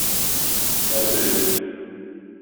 Хәл белү